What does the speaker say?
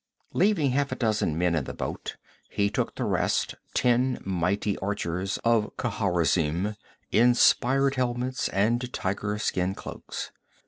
Leaving half a dozen men in the boat, he took the rest, ten mighty archers of Khawarizm, in spired helmets and tiger skin cloaks.